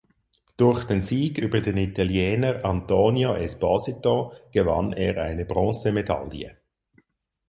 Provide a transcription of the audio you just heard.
Durch den Sieg über den Italiener Antonio Esposito gewann er eine Bronzemedaille.